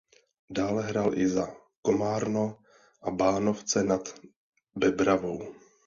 Dále hrál i za Komárno a Bánovce nad Bebravou.